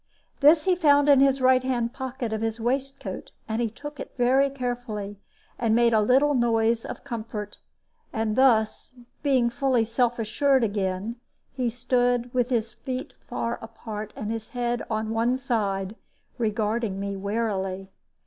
This he found in the right hand pocket of his waistcoat, and took it very carefully, and made a little noise of comfort; and thus, being fully self assured again, he stood, with his feet far apart and his head on one side, regarding me warily.